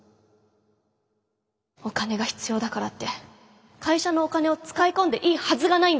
お金が必要だからって会社のお金を使い込んでいいはずがないんです。